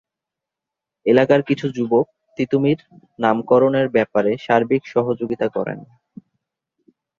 এলাকার কিছু যুবক "তিতুমীর"নামকরণের ব্যাপারে সার্বিক সহযোগিতা করেন।